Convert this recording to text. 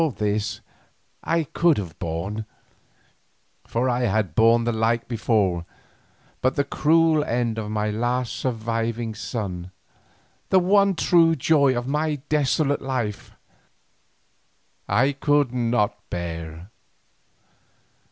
All this I could have borne, for I had borne the like before, but the cruel end of my last surviving son, the one true joy of my desolate life, I could not bear.